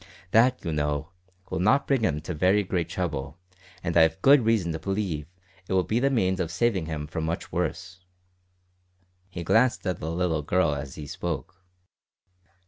That, you know, will not bring him to very great trouble, and I have good reason to believe it will be the means of saving him from much worse." He glanced at the little girl as he spoke.